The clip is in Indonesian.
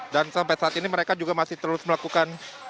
dan sampai saat ini mereka juga masih terus melakukan